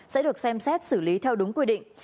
sẽ được xem xét xử lý theo đúng quy định